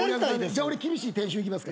じゃ俺厳しい店主いきます。